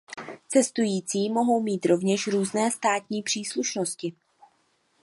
Cestující mohou mít rovněž různé státní příslušnosti.